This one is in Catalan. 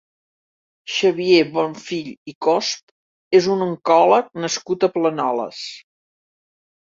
Xavier Bonfill i Cosp és un oncòleg nascut a Planoles.